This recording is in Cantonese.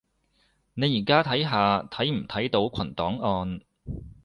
你而家睇下睇唔睇到群檔案